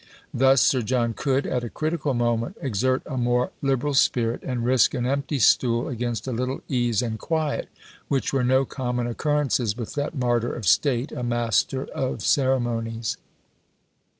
Thus Sir John could, at a critical moment, exert a more liberal spirit, and risk an empty stool against a little ease and quiet; which were no common occurrences with that martyr of state, a master of ceremonies!